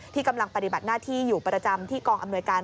กำลังปฏิบัติหน้าที่อยู่ประจำที่กองอำนวยการ